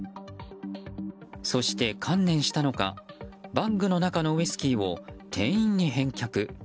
そして、観念したのかバッグの中のウイスキーを店員に返却。